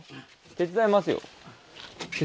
手伝います。